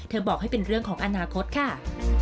บอกให้เป็นเรื่องของอนาคตค่ะ